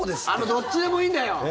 どっちでもいいんだよ！